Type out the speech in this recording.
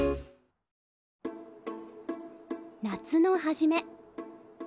夏の初め。